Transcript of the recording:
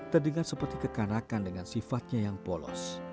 terdengar seperti kekanakan dengan sifatnya yang polos